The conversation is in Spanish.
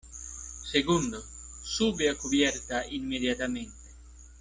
segundo, sube a cubierta inmediatamente.